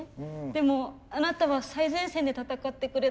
でもあなたは最前線で戦ってくれた。